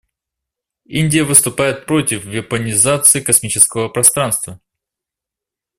Индия выступает против вепонизации космического пространства.